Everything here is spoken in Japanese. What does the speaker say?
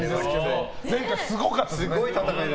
前回すごかったですよね